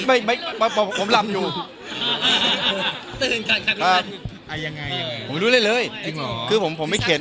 อันนี้มันมีภิลุหน่อยค่ะพี่